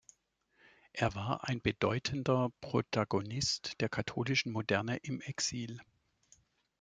Er war ein bedeutender Protagonist der Katholischen Moderne im Exil.